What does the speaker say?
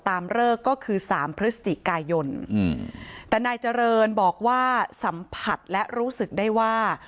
เลิกก็คือสามพฤศจิกายนอืมแต่นายเจริญบอกว่าสัมผัสและรู้สึกได้ว่า